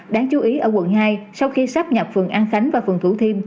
đáng chú ý ở quận hai sau khi sắp nhập phường an khánh và phường thủ thiêm